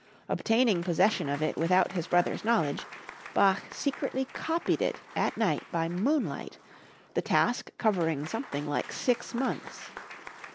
Obtaining possession of it without his brother's knowledge, Bach secretly copied it at night by moonlight, the task covering something like six months.